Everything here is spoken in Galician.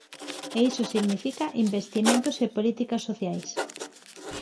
E iso significa investimentos e políticas sociais.